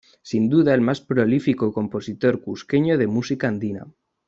Sin duda el más prolífico compositor cusqueño de música andina.